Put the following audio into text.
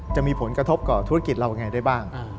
จะมีผลกระทบต่อธุรกิจเรายังไงได้บ้าง